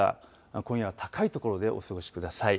今夜は高い所でお過ごしください。